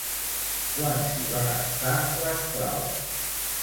Quant s'hi va estar l'esclau?